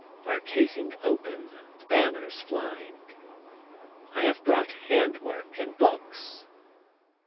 Our casing open, banners flying. I have brought handwork and books.